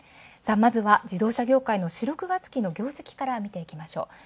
まずは自動車業界の４−６月期の業績から見ていきましょう。